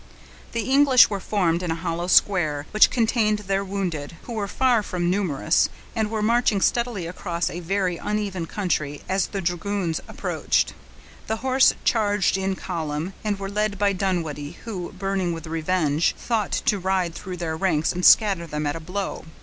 The English were formed in a hollow square, which contained their wounded, who were far from numerous, and were marching steadily across a very uneven country as the dragoons approached. The horse charged in column, and were led by Dunwoodie, who, burning with revenge, thought to ride through their ranks, and scatter them at a blow.